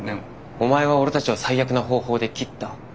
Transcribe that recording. お前は俺たちを最悪な方法で切った。